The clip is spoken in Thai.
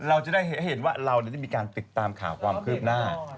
เราจะได้เห็นว่าเราได้มีการติดตามข่าวความคืบหน้า